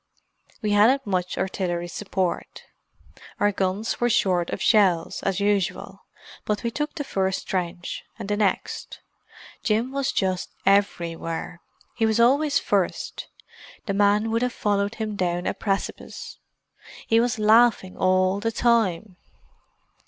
"We hadn't much artillery support. Our guns were short of shells, as usual. But we took the first trench, and the next. Jim was just everywhere. He was always first; the men would have followed him down a precipice. He was laughing all the time.